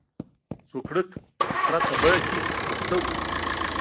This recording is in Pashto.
سوکړک په سره تبۍ کې پوخ شوی و.